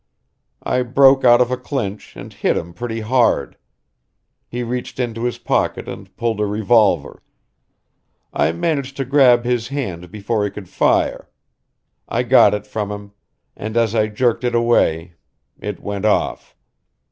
I broke out of a clinch and hit him pretty hard. He reached into his pocket and pulled a revolver. I managed to grab his hand before he could fire. I got it from him, and as I jerked it away it went off.